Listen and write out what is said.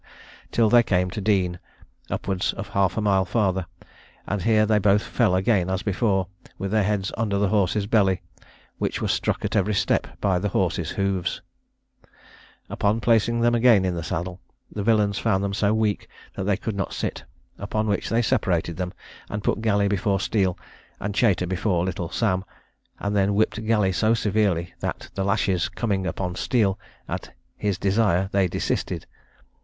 till they came to Dean, upwards of half a mile farther; and here they both fell again as before, with their heads under the horse's belly, which were struck at every step by the horse's hoofs. Upon placing them again in the saddle, the villains found them so weak that they could not sit; upon which they separated them, and put Galley before Steele, and Chater before little Sam; and then whipped Galley so severely, that, the lashes coming upon Steele, at his desire they desisted.